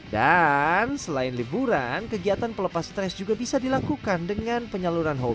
dan selain liburan kegiatan pelepas stres juga bisa dilakukan dengan penyaluran hobi